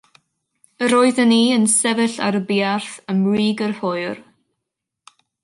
Yr oeddwn i yn sefyll ar y buarth ym mrig yr hwyr.